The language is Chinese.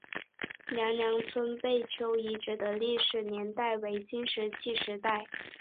娘娘村贝丘遗址的历史年代为新石器时代。